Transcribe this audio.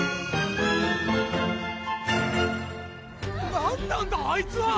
・何なんだあいつは！